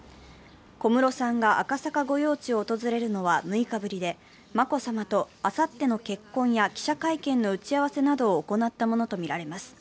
小室さんが赤坂御用地を訪れるのは６日ぶりで、眞子さまとあさっての結婚や記者会見の打ち合わせなどを行ったとみられます。